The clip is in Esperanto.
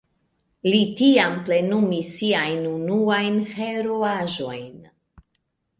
Li tiam plenumis siajn unuajn heroaĵojn.